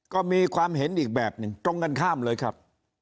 ก็มีความเห็นอีกแบบหนึ่งตรงกันข้ามเลยครับ